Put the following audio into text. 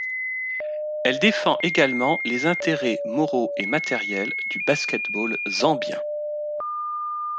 Elle défend également les intérêts moraux et matériels du basket-ball zambien.